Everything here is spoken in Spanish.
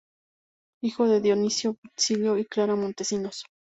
Hijo de Dionisio Bustillo y Clara Montesinos.